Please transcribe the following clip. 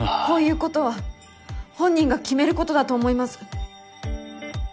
こういう事は本人が決める事だと思います。